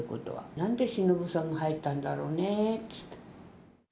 なんでしのぶさんが入ったんだろうねって。